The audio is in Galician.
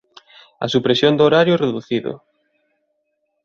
A supresión do horario reducido